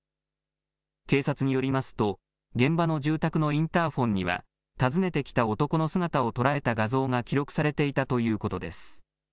警察によりますと、現場の住宅のインターフォンには、訪ねてきた男の姿を捉えた画像が記録されていたということです。